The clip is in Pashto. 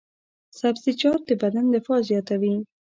سبزیجات د بدن دفاع زیاتوي.